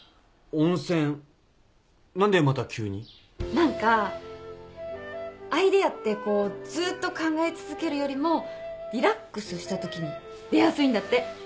何かアイデアってこうずっと考え続けるよりもリラックスしたときに出やすいんだって。